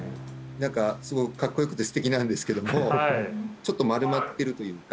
何かすごくかっこよくて素敵なんですけどもちょっと丸まってるというか